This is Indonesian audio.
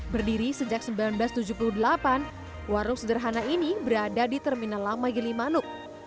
berdiri sejak seribu sembilan ratus tujuh puluh delapan warung sederhana ini berada di terminal lama gilimanuk